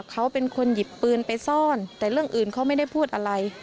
เขาเป็นคนหยิบปืนไปซ่อนแต่เรื่องอื่นเขาไม่ได้พูดอะไร